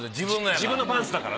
自分のパンツだから。